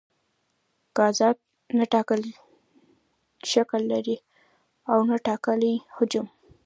ګازات نه ټاکلی شکل لري او نه ټاکلی حجم.